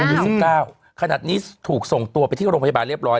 อายุ๑๙ขนาดนี้ถูกส่งตัวไปที่โรงพยาบาลเรียบร้อย